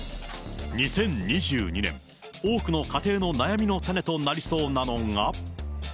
２０２２年、多くの家庭の悩みの種となりそうなのが。